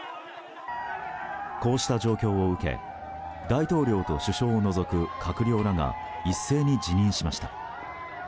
こうした状況を受け大統領と首相を除く閣僚らが一斉に辞任しました。